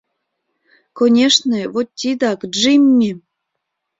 — Конешне, вот тидак, Джимми!